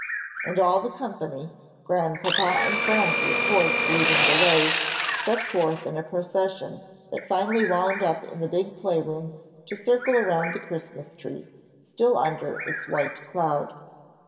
And all the company, Grandpapa and Phronsie, of course, leading the way, set forth in a procession that finally wound up in the big playroom to circle around the Christmas tree, still under its white cloud.